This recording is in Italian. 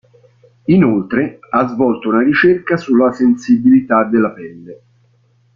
Inoltre, ha svolto una ricerca sulla sensibilità della pelle.